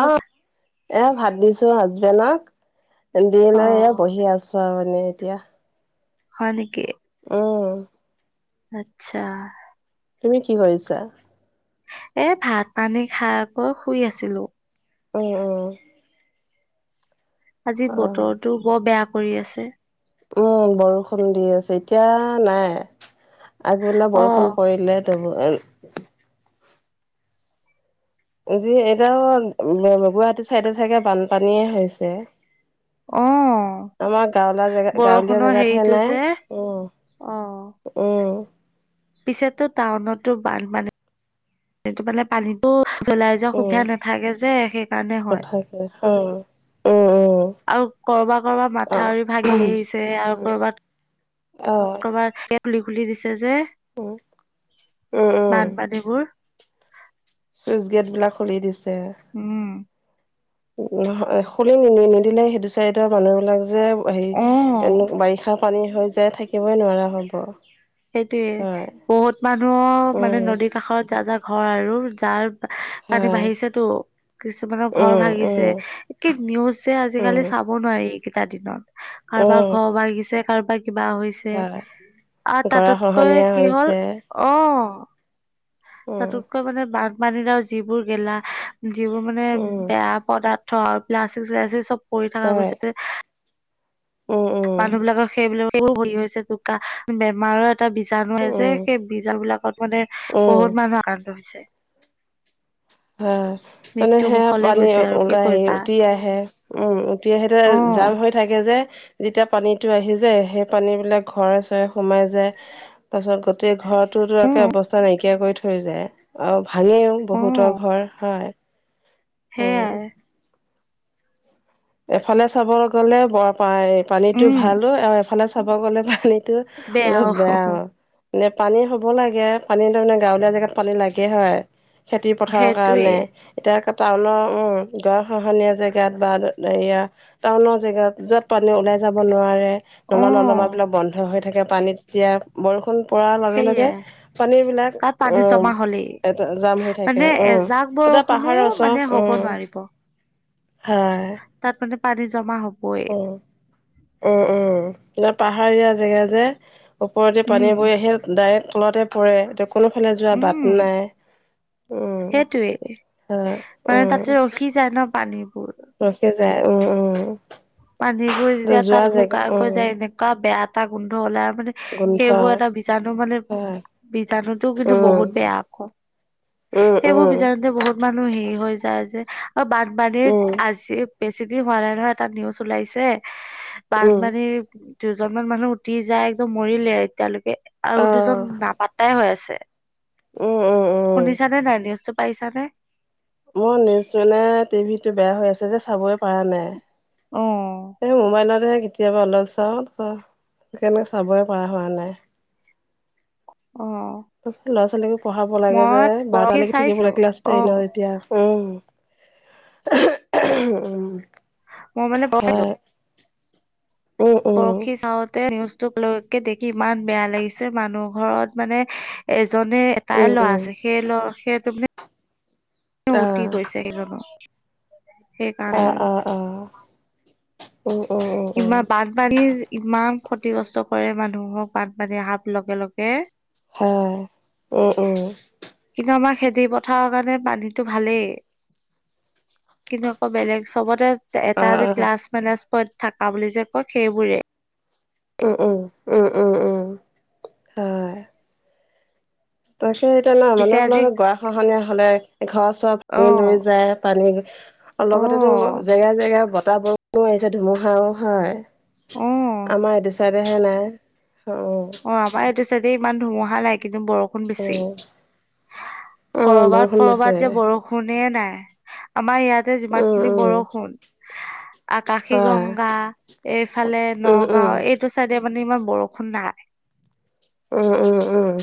অ, এ ভাত দিছো হাজবেণ্ডক দি অ লৈ এ বহি আছো। [unintelligible] এতিয়া হয় নেকি। উম। আতছা। তুমি কি কৰিছা। এ ভাত পানী খাই আকৌ শুই আছিলো। [unintelligible] আজি অ বতৰটো বৰ বেয়া কৰি আছে। উমঁ বৰষুণ দি আছে এতিয়া নাই, আগবেলা অ বৰষুণ পৰিলে। তব এ আজি এতিয়াও গুৱাহাটী চাইডে চাকে বানপানীয়ে হৈছে। অঁ। আমাৰ গাঁৱলা জেগা গাঁৱলীয়া জেগাতহে হেৰিটো নাই যে উমঁ উমঁ। পিছতো টাউনতো বানপানী মানে পানী ওলাই যোৱা উম সুবিধা নাথাকে যে সেইকাৰণে হয়ঁ। অহো' উমঁ উমঁ। আৰু কৰবা কৰবাত মাথাউৰি ভাগি আহিছে আৰু কৰবাত অ কৰবাত গেট খুলি দিছে যে। উম উম উম বানপানীবোৰ চুইচ গেট বিলাক খুলি দিছে। উমঁ। খুলি নিদিলে সেইটো চাৰিডৰ মানুহ বিলাক যে হেৰি অ এ বাৰিষাত। পানী হৈ যায় থাকিবই নোৱাৰা হ'ব। সেইটোয়ে হয় বহুত মানুহ মানে উম নদীৰ কাষত যা যা ঘৰ আৰু যাৰ- পানী হয় বাঢ়িছেতো কিছুমানৰ ঘৰ উম ভাগিছে। উম কি নিউজে আজিকালি উম চাব নোৱাৰি এইকেইটা দিনত কাৰোবাক ঘৰ ভাগিছে কাৰোবাক কিবা হৈছে- হয়ঁ গৰাখহনীয়া হৈছে অঁ'। উম তাতোতকৈ মানে বানপানীত যিবোৰ গেলা যিবোৰ মানে উম বেয়া পদাৰ- ধৰ পালাস্তিক চালাস্তিক পৰি থকা গৈছে যে অঁ অঁ'! মানুহ বিলাকৰ সেইবিলাক সেইবোৰ হৰি হৈছে বোকা বেমাৰত এটা বীজাণুে যে উম সেই বীজাণ বিলাকত মানে উম বহুত মানুহ আক্ৰান্ত হৈছে অঁ! তেনে মৃত্যু সেয়া মুুখলে পানী গৈছে আৰু কি ওলাই আহি কৰিবা উটি আহে উমঁ উটি আহে অ যাম হয়ঁ। থাকে যে যেতিয়া পানীতো আহি যায় সেই পানী বিলাক ঘৰ সোমাই যায় তাৰ পাছত গোটেই ঘৰতো একে উম অৱস্থা নাইকিয়া কৰি থৈ থৈ যায়। আৰু ভাঙেও বহুতৰ ঘৰ হয়। সেয়াই। এফালে চাব গ'লে পানীতটো উম ভালো আৰু এফালে চাব গ'লে পানী তো অলপ বেয়াও পানী হ'ব লাগে পানী গাঁৱলীয়া জেগাত পানী লাগে হয়। খেতি পথাৰৰ সেইটোৱে কাৰণে এতিয়া টাউনৰ গঢ়া খহনীয়া জেগাত বা এয়া টাউনৰ জেগাত য'ত পানী ওলাই যাব নোৱাৰে। অ নলা নৰ্দমা বিলাক বন্ধ হৈ থাকে পানীত এতিয়া বৰষুণ পৰাৰ লগে লগে সেইয়াই পানী বিলাক তাত পানী জমা ওম। হলেই এয়াতে জাম হৈ থাকে মানে উমঁ এজাক তাতে বৰষুণো পাহাৰৰ মানে ওচৰত হ'ব উমঁ। নোৱাৰিব হয়ঁ। তাত মানে পানী জমা হবই। উমঁ উমঁ এ পাহাৰীয়া জেগা যে ওপৰতে উম পানী বৈ আহিল। ডাইৰেক তলাতে পৰে এতিয়া কোনোফালে যোৱা উম বাট নাই উম সেইটোৱে অঁ মানে তাতে উম। ৰখি যায় ন পানীবোৰ। ৰখি যায় উম উম। পানীবোৰ এতিয়া যেতিয়া যোৱা তাত জেগা শুকাই কৈ উম যায় এনেকুৱা বেয়া এটা গোন্ধ ওলাই মানে গোন্ধ সেইবোৰ এটা- বিজাণু মানে হয় বিজাণুটো কিন্তু উম বহুত বেয়া আকৌ। উম সেইবোৰ উম বিজানুতে বহুত- মানুহ হেৰি হৈ যায় যে, বানপানীত উম আজি বেছি দিন হোৱা নাই নহয় এটা নিউজ- উলাইছে। উম বানপানীৰ- দুজনমান মানুহ উঠি যায় একদম মৰিলে এতিয়ালৈকে অ আৰু দুজন নাপাতাই হৈ আছে। উম। উম উম শুনিছানে নাই নিউজটো পাইছা নে? মোৰ নিউজ মানে টিভিটো বেয়া হৈ আছে যে চাবই পৰা নাই। অ এই মমাইনা দে কি- কেতিয়াবা অলপ চাওঁ, ত সেকেনেকে চাবই পৰা হোৱা নাই। অঁ। ল'ৰা ছোৱালীকো পঢ়াব লাগে যে, পৰহি বাৰটালৈকে থাকিব চাইছিলো লাগে, ক্লাছ অ টেনত এতিয়া উম। উম। হয় [unintelligible] উম উম পৰহি চাওঁতে নিউজটোক লৈকে দেখি ইমান বেয়া লাগিছে মানুহ ঘৰত মানে- এজনে এটাই উম ল'ৰা উম আছে, সেই লৰা সেইটো মানে- উতি আহ গৈছে সেইজনো। অঁ, অঁ, অঁ। উম, উম। ইমান বাটপানী ইমান ক্ষতিগ্ৰস্ত, - কৰে মানুহক বানপানী অহাত লগে লগে। হয়, হয়। কিন্তু আমাৰ খেতি পথাৰৰ কাৰণে পানীটো ভালেই। কিন্তু আকৌ বেলেগ চবতে এটা আহ যে আহ প্লাছ মাইনাজ পইন্ট থকা বুলি যে কয় সেইবোৰে। উম, উম, উম, উম, উম। আ। তই সেই এতিয়া নহয় মানে পিছে আজি মলত গৰা খহনীয়া হলে ঘৰৰ চৰ অ ভাঙি লৈ যায়। পানী অ লগতেটো জেগা জেগা বতাহ বৰষুণো আহিছে, ধুমুহাও হয়। অ আমাৰ এইটো চাইডহে নাই, অঁ। অঁ, আমাৰ এইটো চাইডে ইমান ধুমুহা নাই। কিন্তু বৰষুণ বেছি। উম উম, কৰবাত বৰষুণ পৰিছে। কৰবাত যে বৰষুণ- ষুণে নাই। আমাৰ ইয়াতে যিমান উম, খিনি উম, বৰষুণ- আকাশী হয়। গংগা এইফালে উম, উম, নগাওঁ এইটো- চাইে মানে ইমান বৰষুণ নাই। উম, উম, উম।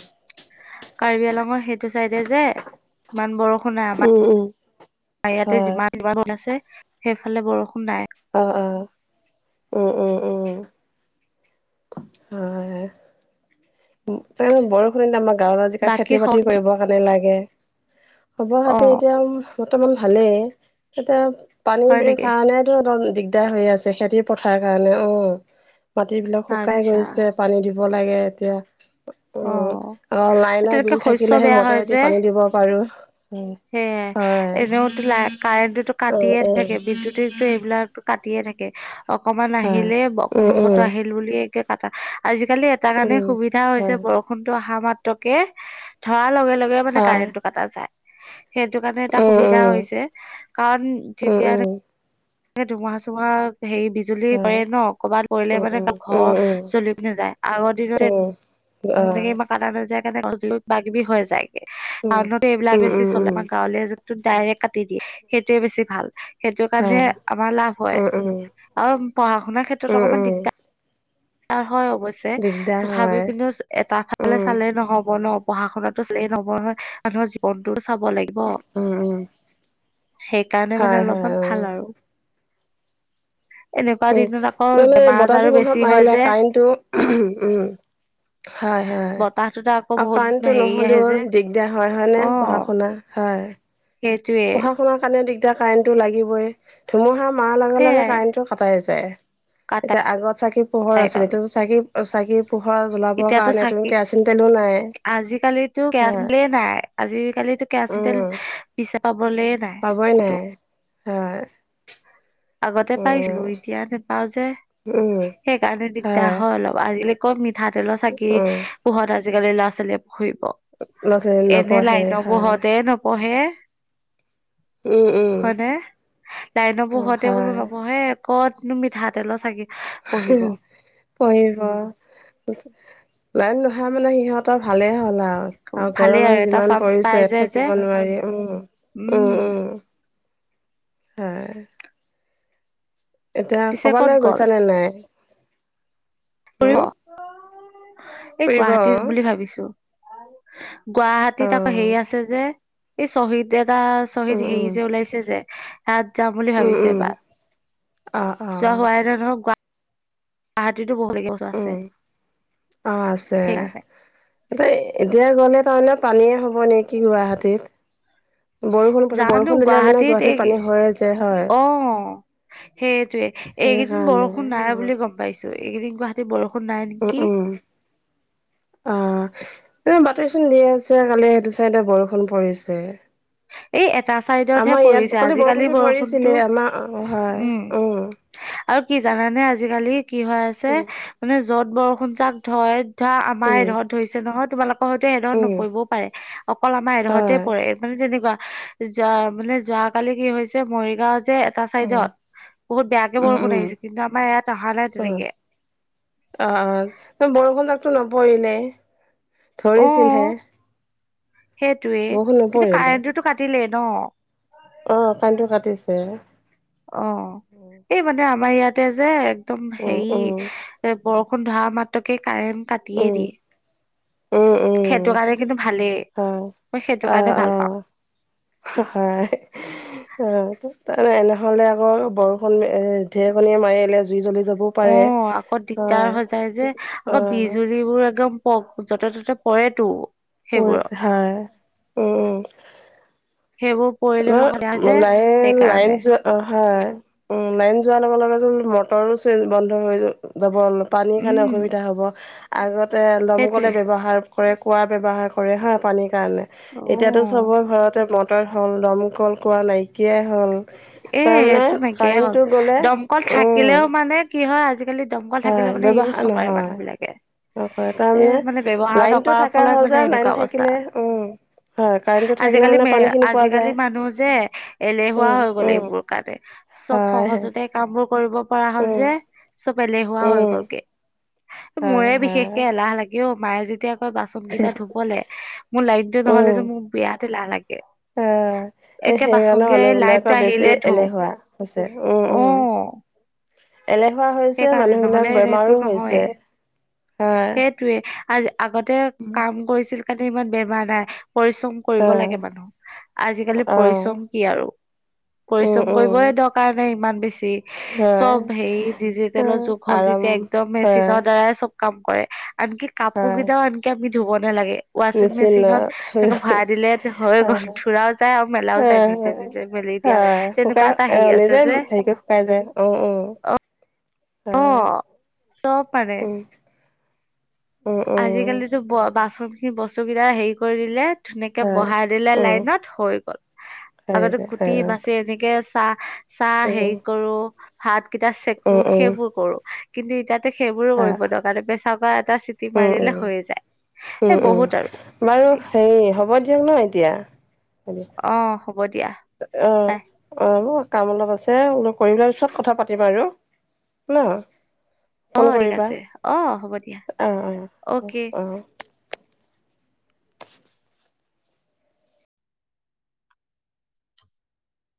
কাৰ্বিআলঙৰ সেইটো চাইডে যে ইমান বৰষুণ নাই। আমাৰ- অঁ, অঁ। ইয়াতে যিমান যিমান ৰ আছে, সেইফালে বৰষুণ নাই। অঁ, অঁ, উম, উম, উম। হয়, হয়, উম। কাৰণ বৰষুণ আমাৰ গাঁৱৰ জিকা বাকী খেতি স বাতি কৰিবৰ কাৰণে লাগে। খবৰ অ খাতি এতিয়া বৰ্তমান ভালেই, এতিয়া হয় পানীৰ নেকি কাৰণেটো [unintelligible] দাৰ হৈ আছে খেতি পথাৰ কাৰণে। অ মাটিবিলাক শুকাই আচ্ছা গৈছে পানী দিব লাগে এতিয়া। অ উম অ লাইন তেনেকে বিল শস্য থাকিলেহে বেয়া হয় মটৰেদি যে পানী দিব পাৰো। সেয়ে এনেওতো ল কাৰেণ্টটোতো দিগদাৰ কাটিয়ে থাকে। হয় বিদ্যুতেই এইবিলাক কাটিয়ে থাকে। অকমান আহিলে অকম উম বত উম আহিল বুলি কটা আজিকালি তাৰ কাৰণে উম সুবিধা হৈছে হয় বৰষুণটো অহা মাত্ৰকে ধৰাৰ লগে লগে মানে কাৰেণ্ট কাটা যায়। সেইটো কাৰণে এটা সুবিধা হৈছে কাৰণ যেতিয়া ধুমুহাৰ চুমুহা হেৰি বি- জুলি পৰে ন? ক'ৰবাত পৰিলে মানে ত ঘৰ জলি নাযায়। আগৰ দিনত [unintelligible] [unintelligible] কিবাকিবি হৈ যায়গে। টাউনতে এইবিলাক বেছি চলে। গাঁৱলীয়া যোনটোত ডাইৰেক্ট কাটি দিয়ে সেইটোয়ে বেছি ভাল। সেইটো কাৰণে আমাৰ লাভ হয় আৰু পঢ়া শুনাৰ ক্ষেত্ৰত অকমান দিগদাৰ হয় অবশ্যে, তথাপিও কিন্তু এটা ফালে চালে নহ'ব ন' পঢ়া শুনাটো চালেই নহব নহয় মানুহৰ জীৱনতো চাব লাগ- অ। সেইকাৰণে মানে অলপমান হয় ভাল আৰু। এনেকুৱা দিনত আকৌ নহ'লে বেমাৰ বতাহ আজাৰো ধুমুহা বেছি হয় মাৰিলে যে। কাৰেণ্টটো উম। হয় হয়। বতাহটোতে আকৌ আৰু বহুত কাৰেণ্টটো হেৰি আহে নহ'লেও যে দিগদাৰ হয় হয় নে অ পঢ়া শুনা? হয়। সেইটোৱে। সকলোৱে কাৰণে দিগদাৰ কাৰেণ্টটো লাগিবই, ধুমুহা মাৰ লগে লগে সেইয়াই কাৰেন্টটো কাটাই যায়। এতিয়া কাটাই আগত চাকি পোহৰ আছিলে। গ'ল। এতিয়া চাকি চাকি পোহৰ জ্বলাবৰ এতিয়াতো কাৰণে তুমি চাকি কেৰাচিন তেলো নাই। হয়। আজিকালি কেৰাচিন তেল উম বিচাবলে নাই। পাবই ক'তো নাই। হয়। আগতে পাইছিলো উম এতিয়া নোপাও যে, উম সেইকাৰণে দিগদাৰ হয় অলপ আজি ক'ত মিঠাতেলৰ চাগি উম পোহত আজিকালি ল'ৰা ছোৱালীয়ে পঢ়িব। ল'ৰা ছোৱালী এনে নপঢ়ে লাইনৰ হয় পোহৰতে নপ- পঢ়ে, উম উম হয়নে? লাইনৰ পোহ তে বোলো হয় নপঢ়ে, ক'তনো মিঠাতেলৰ চাকিত উম। পঢ়িব। লাইন নহয় মানে সিহঁতৰ তৰ ভালে হ'ল আৰু। আৰু ভালেই গৰমে এটা যিমান চান্স পাই পৰিছে যে যে থাকিব নোৱাৰি উম। উম, উম, হয়। এতিয়া পিছে ক'ত ক'বালৈ গ'ল গৈছা নে নাই? ফুৰিব হম? এই ফুৰিব গুৱাহাটী বুলি অ', ভাবিছোঁ, গুৱাহাটীত আকৌ হেৰি আছ- উম, আছে যে, এই শ্বহীদ এটা শ্বহীদ উম, হেৰি যে ওলাইছে যে। তাত যাম বুলি উম, ভাবিছোঁ উম, এবাৰ, অ', যোৱা অ', হোৱাই [unintelligible] [unintelligible] উম, অ' আছে। সেইকাৰণে এ এতিয়া গ'লে তাৰমানে পানীয়ে হ'ব নেকি গুৱাহাটীত? বৰষুণ পাছত জানো বৰষুণ দিলে মানে এই গুৱাহাটীত পানী হৈয়ে যে হয়। অ সেইটোৱে এইকেইদিন সেইকাৰণে বৰষুণ নাই অ', বুলি গম পাইছো। এইকেইদিন গুৱাহাটীত বৰষুণ নাই উম, নেকি? উম, অ' এ বাতৰি চোন দি আছে কালি সেইটো চাইডে বৰষুণ পৰিছে। এই এটা চাইডতহে আমাৰ পৰিছে ইয়াত [unintelligible] আজিকালি বৰষুণটো বৰষুণতো ধৰিছিলে আমাৰ, অ' হয়। উম। আৰু কি জানানে আজিকালি কি হৈ আছে, উম, মানে য'ত বৰষুণ জাক ধৰে ধৰা আমাৰ উম, এধৰত ধৰিছে নহয়, তোমালোক পৰোতে এঢৰত উম, নপৰিবও পাৰে, অকল আমাৰ এডোখৰতে হয় পৰে মানে তেনেকুৱা। যোৱা মানে যোৱাকালি কি হৈছে মৰিগাঁও যে টা উম। চাইডত বহুত বেয়াকে উম বৰষুণ উম। আহিছে কিন্তু আমাৰ ইয়াত অহা নাই উম তেনেকে। অ', অ' বৰষুণ জাকটো নপৰিলে, অ ধৰিছিলহে। সেইটোৱে, বৰষুণ কিন্তু নপৰিলে কাৰেণ্টটোতো কাটিলেই ন'। অ' কাৰেন্টটো কাটিছে। অ' এই মানে আমাৰ ইয়াতে যে একদম উম হেৰি উম এ, বৰষুণ ধৰা মাত্ৰকে কাৰেণ্ট কাটিয়ে উম দিয়ে। উম উম সেইটো কাৰণে কিন্তু ভালেই, হয়। মই সেইটো অ' কাৰণে ভাল পাওঁ। অ' [unintelligible] অ' তাৰ এনেহ'লে আকৌ বৰষুণ এ, ঢেৰকনীয়ে মাৰি আহিলে জুই জ্বলি যাব। অ' আকৌ দিগদাৰ হৈ যায় যে আকৌ অ' বিজুলীবোৰ একদম [unintelligible] য'তে ত'তে পৰেতো। সেইবোৰত পৰিছে হয়, উম। সেইবোৰ পৰিলে [unintelligible] সেইকাৰণে। অ' হয় উম, লাইন যোৱাৰ লগে লগে মটৰো চুই বন্ধ হৈ যাব অলপ পানীৰ কাৰণে উম অসুবিধা হ'ব। আগতে দমকলে সেইটোৱে ব্যৱহাৰ কৰে, কুঁৱা ব্যৱহাৰ কৰে হা, পানীৰ কাৰণে, অ এতিয়াতো চবৰে ঘৰতে মটৰ হ'ল, দমকল কুৱা নাইকিয়াই হ'ল। এ, তাৰমানে সেইটো নাইকিয়া হ'ল। কাৰেণ্টটো গ'লে দমকল উম থাকিলেও মানে কি হয় আজিকালি দমকল হয় থাকিলেও মানে ইউজ ব্যৱহাৰ নকৰে নহয় মানুহবিলাকে। নকৰে এ, তাৰমানে মানে ব্যৱহাৰ লাইনটো নকৰাৰ থকা ফলত হ'ল মানে যে লাইন এনেকুৱা অৱস্থা। থাকিলে উম হয় কাৰেণ্টটো থাকিলে আজিকালি মানে মে পানীখিনি পোৱা যায় আজিকালি মানুহ যে এলে বোৱা উম হৈ গল উম এইবোৰ কাৰণে, চব হয় সহজতে কামবোৰ কৰিব পৰা হ'ল উম যে, চব এলেহুৱা হৈ উম গ'ল গে। হয় মোৰে হয় বিশেষকে এলাহ লাগে অ' মায়ে যেতিয়া বাচনকেইটা ধুবলে, মোৰ লাইনটো নহ'লে যে মোৰ বিৰাট এলাহ লাগে। এ, একে বাচন সেইকাৰণে কেই লাইনটো মানুহবিলাকৰ বেছি আহিলে ধুম এলেহুৱা হৈছে। উম, অ উম। এলেহুৱা হৈছে, সেইকাৰণে নহ'লে মানুহবিলাক এনেতো বেমাৰো নহয়ে হৈছে। হয়। সেইটোৱে, আজ, আগতে কাম কৰিছিল কাৰণে ইমান বেমাৰ নাই, পৰিশ্ৰম কৰিব হয় লাগে মানুহ। আজিকালি অ পৰিশ্ৰম কি আৰু। উম পৰিশ্ৰম উম কৰিবই দৰকাৰ নাই ইমান বেছি। হয় চব সেই হয়, ডিজিটেলৰ যুগ হ'ল আৰাম যেতিয়া, একদম হয় মেচিনৰ দ্বাৰাই চব কাম কৰে, আনকি কাপোৰ হয় কেইটাও আনকি আমি ধুব নালাগে। ৱাচিং নিশ্চিন্ত মেচিনত হয় তেনে ভৰাই দিলে হৈয়ে গ'ল, ধোৰাও যায় আৰু মেলাও যায় হয় নিজে নিজে মেলি। দিয়া। হয়, তেনেকুৱা শুকাই এটা আ, হেৰি আছে নিজে যে হেৰিকে শুকাই যায়। উ, উ। অ হয়, চব মানে। উ। আজিকালিতো, ব-বাচনখিনি বস্তু কেইটা হেৰি কৰি দিলে। ধুনিয়াকে হয় বহাই দিলে উম লাইনত, হৈ গ'ল। হৈ আগতে হৈ কুটি গ'ল। বাচি এনেকে চা চাহ উম, হেৰি কৰোঁ, হাত কেইটা চেকো, উম, উম। সেইবোৰ কৰোঁ কিন্তু এতিয়া তে সেইবোৰো হা, কৰিব দৰকাৰ নাই, পেচা কুকাৰ এটা চিটি উম, উম, মাৰিলে হৈয়ে যায়। উম, এ, উম। বহুত আৰু বাৰু হেৰি হ'ব দিয়ক ন' এতিয়া। অ', হ'ব দিয়া। অ', বাই অ', হ'ব কাম অলপ আছে, অলপ কৰি লোৱা পিছত কথা পাতিম আৰু। ন', অ ফোন ঠিক কৰিবা, আছে অ হ'ব দিয়া অ', অ', অ'কে অ'।